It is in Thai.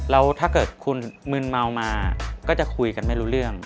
แล้วถ้าเกิดคุณมึนเมามาก็จะคุยกันไม่รู้เรื่อง